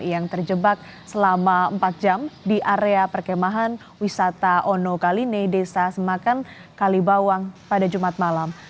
yang terjebak selama empat jam di area perkemahan wisata ono kaline desa semakan kalibawang pada jumat malam